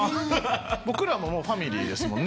僕らももうファミリーですもんね？